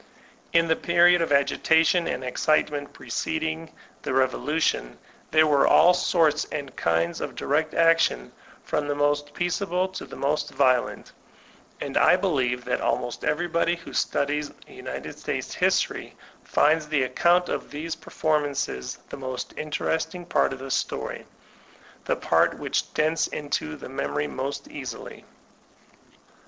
In the period of agitation and excitement preceding the revolution, there were all sorts and kinds of direct action from the most peaceable to the most violent; and I believe that almost everybody who studies United States history finds the account of these performances the most interesting part of the story, the part which dents into his memory most easily.